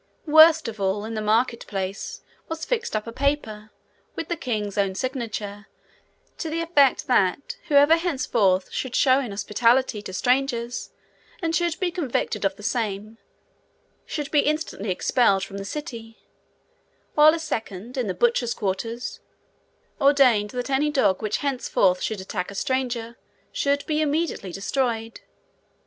Worst of all, in the market place was fixed up a paper, with the king's own signature, to the effect that whoever henceforth should show inhospitality to strangers, and should be convicted of the same, should be instantly expelled the city; while a second, in the butchers' quarter, ordained that any dog which henceforth should attack a stranger should be immediately destroyed.